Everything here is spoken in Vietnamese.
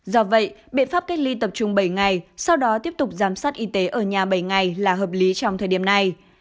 do vậy biện pháp cách ly tập trung bảy ngày sau đó tiếp tục giám sát y tế ở nhà bảy ngày là hợp lý trong thời điểm này